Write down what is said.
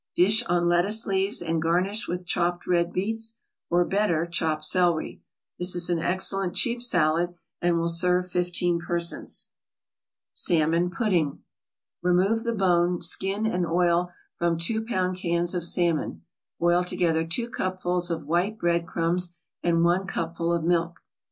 Dish on lettuce leaves, and garnish with chopped red beets, or, better, chopped celery. This is an excellent cheap salad, and will serve fifteen persons. SALMON PUDDING Remove the bone, skin and oil from two pound cans of salmon. Boil together two cupfuls of white bread crumbs and one cupful of milk.